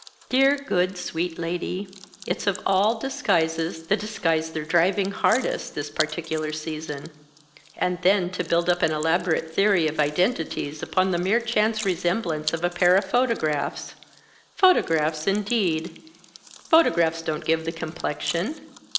Dear, good, sweet lady, it's of all disguises the disguise they're driving hardest, this particular season. And then to build up an elaborate theory of identities upon the mere chance resemblance of a pair of photographs! Photographs indeed! Photographs don't give the complexion.